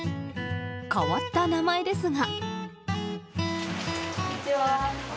変わった名前ですが。